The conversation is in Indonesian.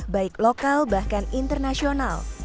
baik lokal bahkan internasional